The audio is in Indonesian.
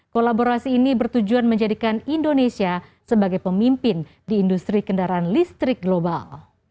kolaborasi ini bertujuan menjadikan indonesia sebagai pemimpin di industri kendaraan listrik global